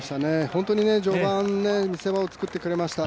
本当に序盤見せ場を作ってくれました。